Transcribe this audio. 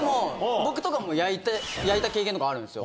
僕とかも焼いた経験とかあるんですよ。